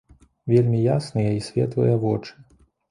Вельмі ясныя і светлыя вочы.